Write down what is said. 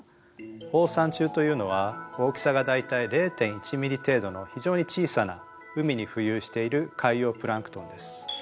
放散虫というのは大きさが大体０．１ｍｍ程度の非常に小さな海に浮遊している海洋プランクトンです。